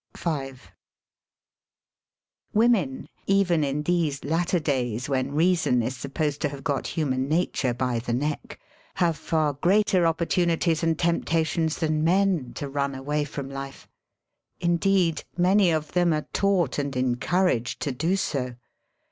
1 Women, even in these latter days when reason is supposed to have got human nature by the neck, have far greater opportunities and temp tations than men to run away from life. Indeed, many of them are taught and encouraged to do so.